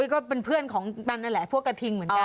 ก็เป็นเพื่อนพวกกระทิ่งไทยเหมือนกัน